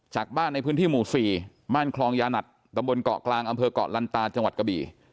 จากบ้านในพื้นที่หมู่๔บ้านคลองยานัทตะบนเกาะกลางอำเภอกเกาะลันตาจังหวัดกะบี่